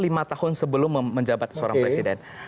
lima tahun sebelum menjabat seorang presiden